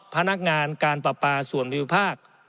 พนักงานการปราปาส่วนวิวภาค